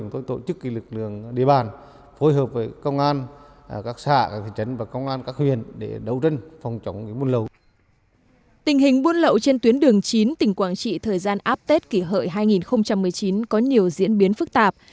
tình hình buôn lậu trên tuyến đường chín tỉnh quảng trị thời gian áp tết kỷ hợi hai nghìn một mươi chín có nhiều diễn biến phức tạp